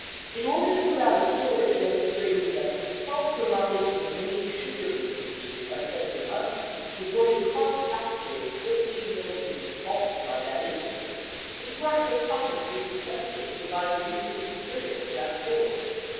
78 In order to put out a story demonstrating that help provided to the Maine sugar beet industry by Senator Muskie was going to cost taxpayers $13 million in defaults by that industry, the Department of Commerce was requested to provide the research material for that story.